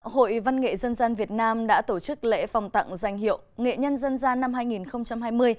hội văn nghệ dân gian việt nam đã tổ chức lễ phòng tặng danh hiệu nghệ nhân dân gian năm hai nghìn hai mươi